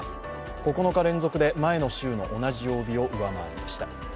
９日連続で前の週の同じ曜日を上回りました。